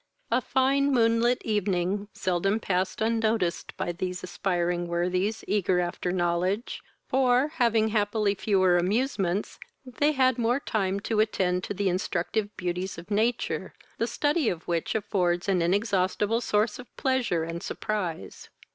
A fine moon light evening seldom passed unnoticed by these aspiring worthies, eager after knowledge; for, having happily fewer amusements, they had more time to attend to the instructive beauties of nature, the study of which affords an inexhaustible source of pleasure and surprise.